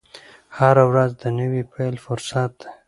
هره ورځ د نوي پیل فرصت دی.